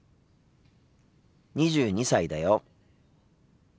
２２歳だよ。